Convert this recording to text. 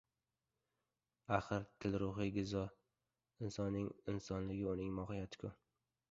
Axir, til — ruhiy g‘izo, insonning insonligi, uning mohiyati-ku!